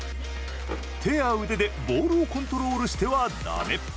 手や腕でボールをコントロールしてはだめ。